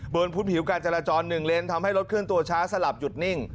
เบิร์นพุทธผิวการจรจรหนึ่งเลนส์ทำให้รถขึ้นตัวช้าสลับหยุดนิ่ง